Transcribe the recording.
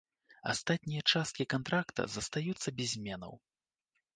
Астатнія часткі кантракта застаюцца без зменаў.